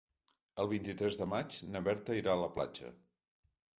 El vint-i-tres de maig na Berta irà a la platja.